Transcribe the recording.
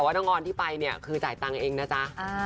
น้องออนที่ไปเนี่ยคือจ่ายตังค์เองนะจ๊ะ